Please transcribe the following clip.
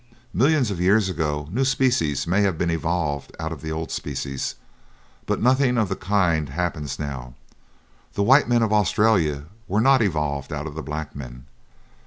Millions of years ago, new species may have been evolved out of the old species, but nothing of the kind happens now. The white men of Australia were not evolved out of the black men.